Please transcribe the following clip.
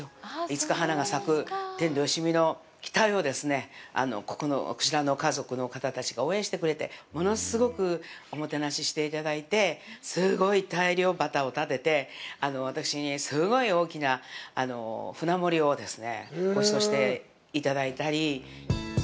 いつか花が咲く、天童よしみの期待をですね、ここのこちらの家族の方たちが応援してくれて、物すごくおもてなししていただいて、すごい大漁旗を立てて、私にすごい大きな舟盛りをですね、ごちそうしていただいたり。